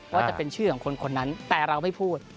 ว่าจะเป็นชื่อของคนคนนั้นแต่เราไม่พูด